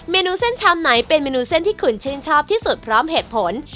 เมนูเส้นชามไหนเป็นเมนูเส้นที่คุณชื่นชอบที่สุดพร้อมเหตุผล